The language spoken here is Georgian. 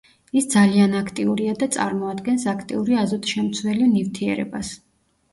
ის ძალიან აქტიურია და წარმოადგენს აქტიური აზოტშემცველი ნივთიერებას.